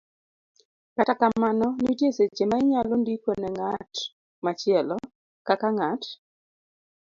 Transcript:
Kata kamano, nitie seche ma inyalo ndiko ne ng'at machielo, kaka ng'at .